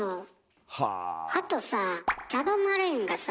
あとさぁチャド・マレーンがさ